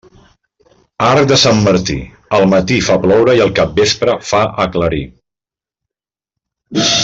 Arc de Sant Martí, el matí fa ploure i el capvespre fa aclarir.